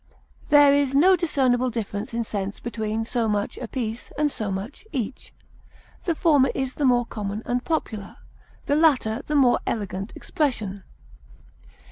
There is no discernible difference in sense between so much apiece and so much each; the former is the more common and popular, the latter the more elegant expression.